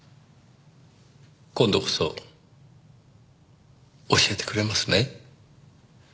今度こそ教えてくれますね？